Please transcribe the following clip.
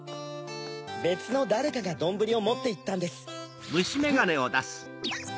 べつのだれかがどんぶりをもっていったんです。